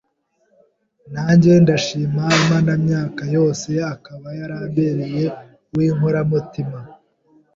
" Nanjye ndashima Imanamyaka yose akaba yarambereye uw’inkoramutima,